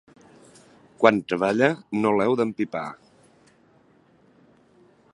Quan treballa, no l'heu d'empipar.